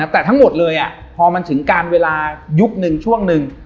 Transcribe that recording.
แต่ทั้งหมดเลยพอมันถึงการเวลายุคนึงช่วงหนึ่ง